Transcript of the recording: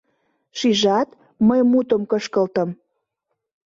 Шижат, мый мутым кышкылтым